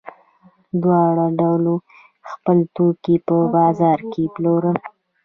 دواړو ډلو خپل توکي په بازار کې پلورل.